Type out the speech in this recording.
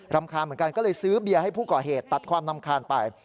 รำคาญเหมือนกันก็เลยซื้อเบียร์ให้ผู้ก่อเหตุตัดความรำคาญไป